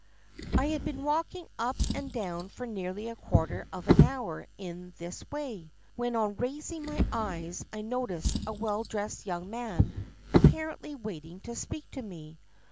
"I had been walking up and down for nearly a quarter of an hour in this way, when on raising my eyes I noticed a well dressed young man apparently waiting to speak to me.